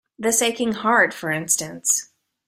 This aching heart, for instance.